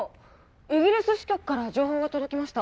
イギリス支局から情報が届きました